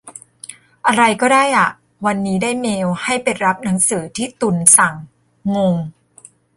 อะไรก็ได้อ่ะ วันนี้ได้เมลให้ไปรับหนังสือที่ตุลสั่ง งง